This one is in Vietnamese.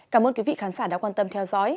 cảm ơn quý vị khán giả đã quan tâm theo dõi